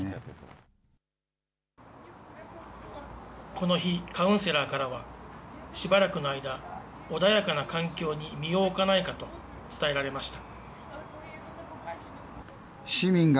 この日、カウンセラーからは、しばらくの間、穏やかな環境に身を置かないかと伝えられました。